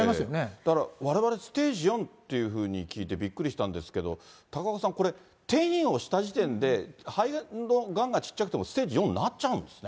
だから、われわれステージ４っていうふうに聞いてびっくりしたんですけれども、高岡さん、これ、転移をした時点で、肺のがんが小っちゃくても、ステージ４になっちゃうんですね。